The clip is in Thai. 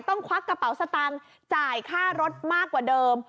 ควักกระเป๋าสตางค์จ่ายค่ารถมากกว่าเดิม